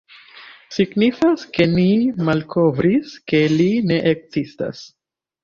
Signifas ke ni malkovris ke li ne ekzistas!”.